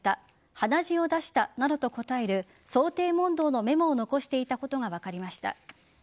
鼻血を出したなどと答える想定問答のメモを残していたことが分かりました。